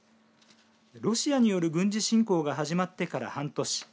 ロシアによる軍事侵攻が始まってから半年。